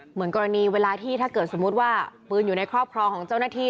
เหมือนกรณีเวลาที่ถ้าเกิดสมมุติว่าปืนอยู่ในครอบครองของเจ้าหน้าที่